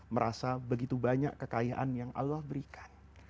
merasa begitu banyak kekayaan yang allah berikan